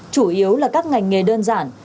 chủ yếu là các ngành nghề đơn giản